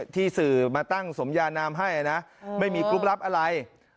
ที่สื่อมาตั้งสมยานามให้นะไม่มีกรุ๊ปลับอะไร